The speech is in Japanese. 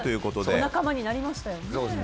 仲間になりましたよね。